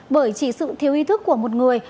bởi chỉ sự thiếu ý thức của một người